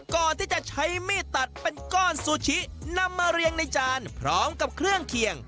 ก่อนที่จะใช้มีดตัดเป็นก้อนซูชินำมาเรียงในจานพร้อมกับเครื่องเคียง